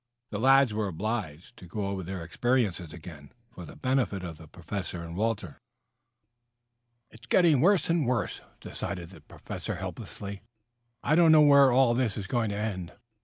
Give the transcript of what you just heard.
The lads were obliged to go all over their experiences again for the benefit of the Professor and Walter. "It's getting worse and worse," decided the Professor helplessly. "I don't know where all this is going to end.